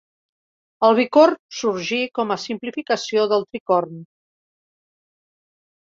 El bicorn sorgí com a simplificació del tricorn.